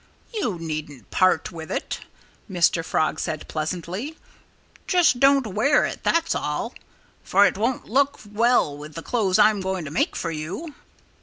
"You needn't part with it," Mr. Frog said pleasantly. "Just don't wear it that's all! For it won't look well with the clothes I'm going to make for you."